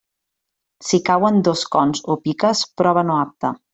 Si cauen dos cons o piques, prova no apte.